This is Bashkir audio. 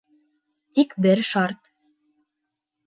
Тик бер шарт.